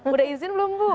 udah izin belum bu